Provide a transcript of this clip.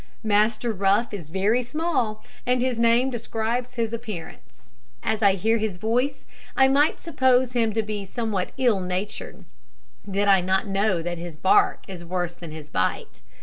Master Rough is very small, and his name describes his appearance. As I hear his voice, I might suppose him to be somewhat ill natured, did I not know that his bark is worse than his bite.